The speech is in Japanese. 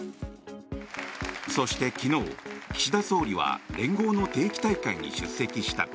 そして昨日、岸田総理は連合の定期大会に出席した。